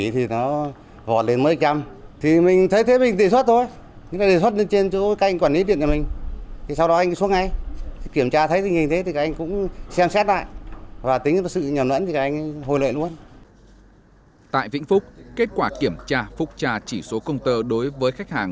tại vĩnh phúc kết quả kiểm tra phục trà chỉ số công tờ đối với khách hàng của tập đoàn điện lực việt nam evn